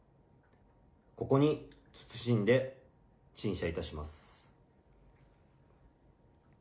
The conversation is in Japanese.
ここに謹んで陳謝いたします。